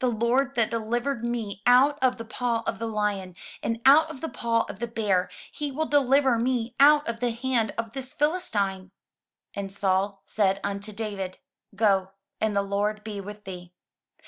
The Lord that delivered me out of the paw of the lion, and out of the paw of the bear, he will deliver me out of the hand of this PhiUstine." And Saul said unto David, "Go, and the Lord be with thee."